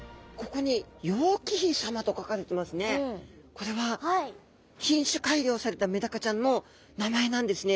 これは品種改良されたメダカちゃんの名前なんですね。